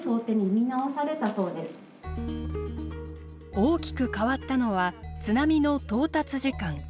大きく変わったのは津波の到達時間。